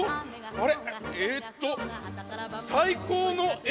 あれ？